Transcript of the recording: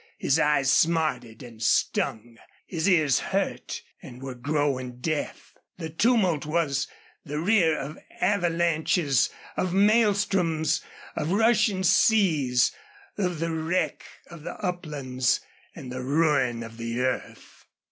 His eyes smarted and stung. His ears hurt and were growing deaf. The tumult was the rear of avalanches, of maelstroms, of rushing seas, of the wreck of the uplands and the ruin of the earth.